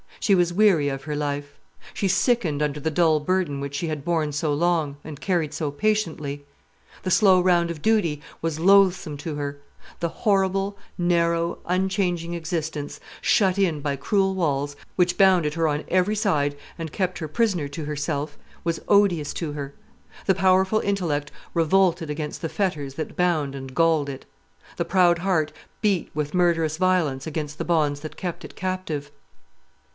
She was weary of her life. She sickened under the dull burden which she had borne so long, and carried so patiently. The slow round of duty was loathsome to her. The horrible, narrow, unchanging existence, shut in by cruel walls, which bounded her on every side and kept her prisoner to herself, was odious to her. The powerful intellect revolted against the fetters that bound and galled it. The proud heart beat with murderous violence against the bonds that kept it captive.